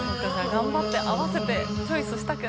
）頑張って合わせてチョイスしたけど。